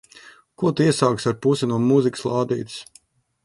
Ko tu iesāksi ar pusi no mūzikas lādītes?